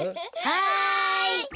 はい。